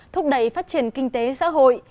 thúc đẩy phát triển kinh tế xã hội